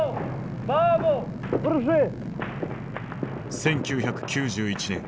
１９９１年。